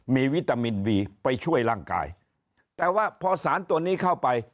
มีวิตามินบีไปช่วยร่างกายแต่ว่าพอสารตัวนี้เข้าไป